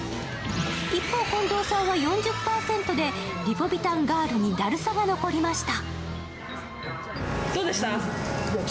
一方近藤さんは４０％でリポビタンガールにだるさが残りました。